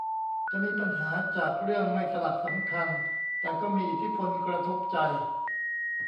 จะมีปัญหาจากเรื่องไม่สลักสำคัญแต่ก็มีอิทธิพลกระทบใจ